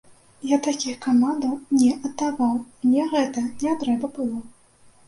Я такіх камандаў не аддаваў, мне гэта не трэба было.